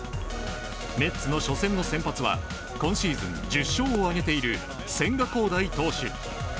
メッツの初戦の先発は、今シーズン、１０勝を挙げている千賀滉大投手。